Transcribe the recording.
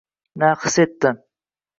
Na his etdi